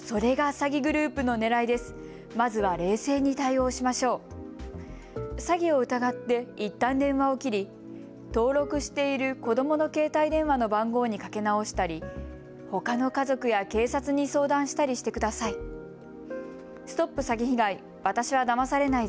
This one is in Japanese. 詐欺を疑っていったん電話を切り登録している子どもの携帯電話の番号にかけ直したりほかの家族や警察に相談したりしてください。